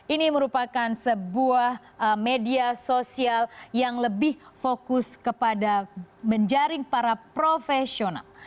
ini merupakan sebuah media sosial yang lebih fokus kepada menjaring para profesional